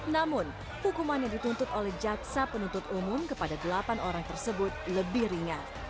namun hukuman yang dituntut oleh jaksa penuntut umum kepada delapan orang tersebut lebih ringan